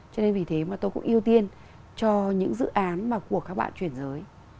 cho nên vì thế mà tôi cũng ưu tiên cho những dự án mà của các bạn chuyển giới